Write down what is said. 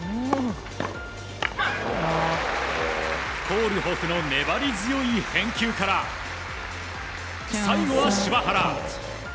コールホフの粘り強い返球から最後は柴原。